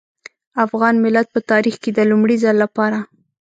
افغان ملت په تاريخ کې د لومړي ځل لپاره.